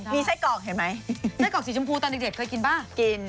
มีไส้กรอกเห็นไหมไส้กรอกสีชมพูตอนเด็กเคยกินป่ะกิน